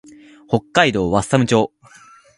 北海道和寒町